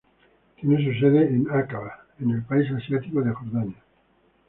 Tiene su sede en Áqaba, en el país asiático de Jordania.